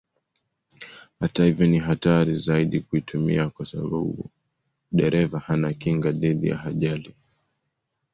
Hata hivyo ni hatari zaidi kuitumia kwa sababu dereva hana kinga dhidi ya ajali.